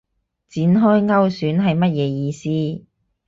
展開勾選係乜嘢意思